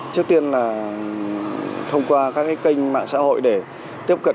trước tiên là thông qua các kênh mạng xã hội để tiếp cận